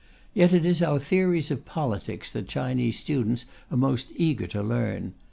Yet it is our theories of politics that Chinese students are most eager to learn.